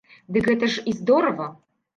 Дык гэта ж і здорава!